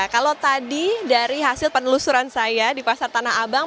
kalau tadi dari hasil penelusuran saya di pasar tanah abang